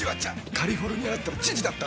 カリフォルニアだったら知事だったろ。